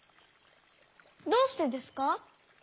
どうしてですか？